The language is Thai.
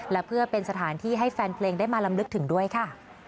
และเพื่อเป็นสถานที่ให้แฟนเพลงได้มาลำลึกถึงด้วยค่ะ